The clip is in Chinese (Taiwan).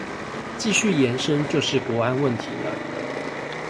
繼續延伸就是國安問題了